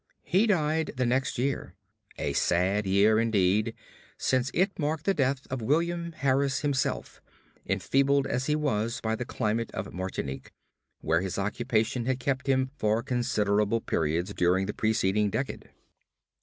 He died the next year a sad year indeed, since it marked the death of William Harris himself, enfeebled as he was by the climate of Martinique, where his occupation had kept him for considerable periods during the preceding decade.